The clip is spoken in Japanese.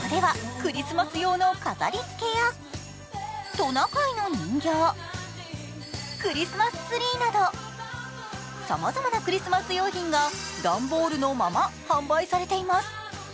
トナカイの人形、クリスマスツリーなどさまざまなクリスマス用品が段ボールのまま販売されています。